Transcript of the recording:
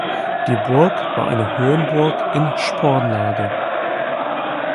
Die Burg war eine Höhenburg in Spornlage.